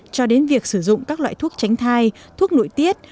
cho đến việc sử dụng các loại thuốc tránh thai thuốc nội tiết